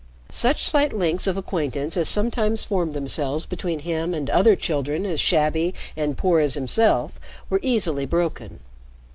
Such slight links of acquaintance as sometimes formed themselves between him and other children as shabby and poor as himself were easily broken.